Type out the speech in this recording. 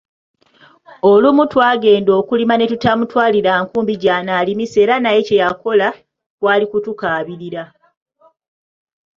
Olumu twagenda okulima ne tutamutwalira nkumbi gyanaalimisa eranaye kye yakola kwali kutukaabirira.